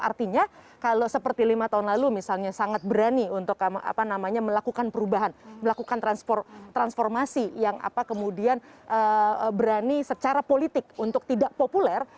artinya kalau seperti lima tahun lalu misalnya sangat berani untuk melakukan perubahan melakukan transformasi yang kemudian berani secara politik untuk tidak populer